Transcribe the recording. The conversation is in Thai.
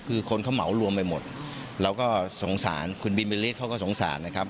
คือคนเขาเหมารวมไปหมดเราก็สงสารคุณบินบิลลิสเขาก็สงสารนะครับ